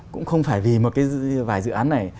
cũng không phải vì một cái vài dự án này